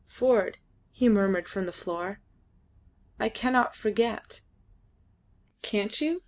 "Ford," he murmured from the floor, "I cannot forget." "Can't you?"